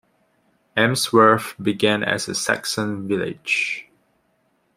Emsworth began as a Saxon village.